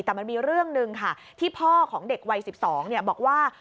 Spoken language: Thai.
แต่มันมีเรื่องหนึ่งค่ะที่พ่อของเด็กวัย๑๒บอกว่า